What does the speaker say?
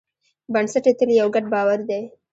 بنسټ یې تل یو ګډ باور دی.